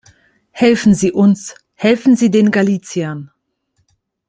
Helfen Sie uns, helfen Sie den Galiciern.